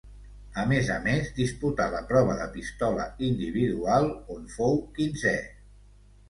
A més a més disputà la prova de pistola individual, on fou quinzè.